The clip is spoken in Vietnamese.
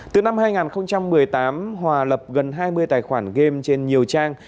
từ năm hai nghìn một mươi tám hòa lập gần hai mươi tài khoản game trên nhiều trang